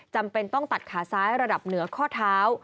จำเป็นต้องตัดขาซ้ายระดับเหนือข้อเท้า